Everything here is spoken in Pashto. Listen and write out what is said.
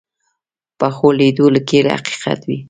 پخو لیدو کې حقیقت وي